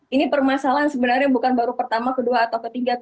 ini permasalahan sebenarnya bukan baru pertama kedua atau ketiga